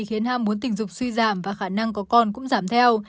khiến ham muốn tình dục suy giảm và khả năng có con cũng giảm theo